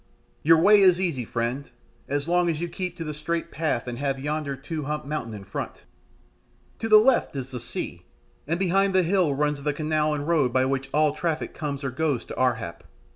"Your way is easy, friend, as long as you keep to the straight path and have yonder two humped mountain in front. To the left is the sea, and behind the hill runs the canal and road by which all traffic comes or goes to Ar hap.